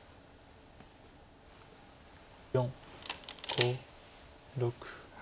４５６７。